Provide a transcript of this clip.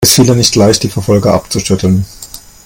Es fiel ihr nicht leicht, die Verfolger abzuschütteln.